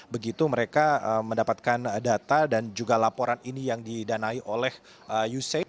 begitu mereka mendapatkan data dan juga laporan ini yang didanai oleh usaid